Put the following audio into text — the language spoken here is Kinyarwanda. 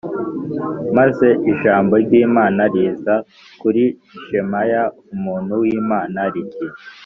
Maze ijambo ry’Imana riza kuri Shemaya umuntu w’Imana riti